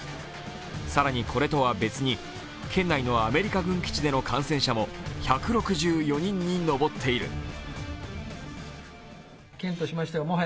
更に、これとは別に県内のアメリカ軍基地での感染者も１６４人に上っている。